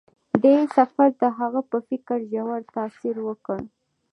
دې سفر د هغه په فکر ژور تاثیر وکړ.